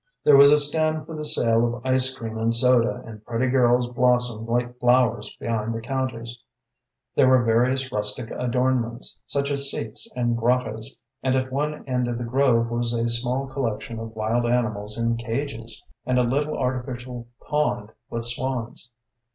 There was a stand for the sale of ice cream and soda, and pretty girls blossomed like flowers behind the counters. There were various rustic adornments, such as seats and grottos, and at one end of the grove was a small collection of wild animals in cages, and a little artificial pond with swans.